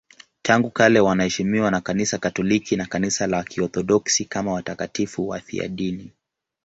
Tangu kale wanaheshimiwa na Kanisa Katoliki na Kanisa la Kiorthodoksi kama watakatifu wafiadini.